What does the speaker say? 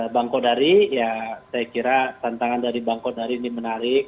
bang kodari ya saya kira tantangan dari bang kodari ini menarik